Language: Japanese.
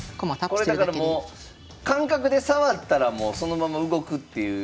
これだからもう感覚で触ったらもうそのまま動くっていう。